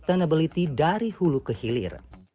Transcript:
menerapkan konsep selamat dari hulu ke hilir